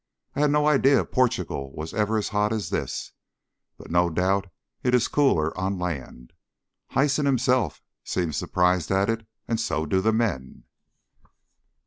I had no idea Portugal was ever as hot as this, but no doubt it is cooler on land. Hyson himself seemed surprised at it, and so do the men.